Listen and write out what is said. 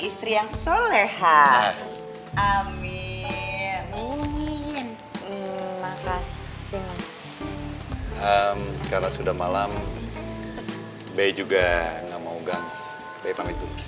istri yang soleh ha amin amin makasih karena sudah malam b juga enggak mau gang